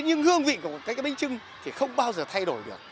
nhưng hương vị của cái bánh trưng thì không bao giờ thay đổi